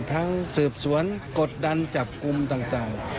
ทั้งสืบสวนกดดันจับกลุ่มต่าง